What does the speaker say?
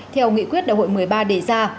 theo nghị quyết đại hội một mươi ba đề ra